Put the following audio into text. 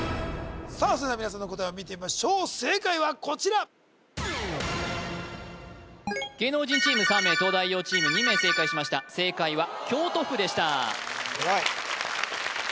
さあそれでは皆さんの答えを見てみましょう正解はこちら芸能人チーム３名東大王チーム２名正解しました正解は京都府でした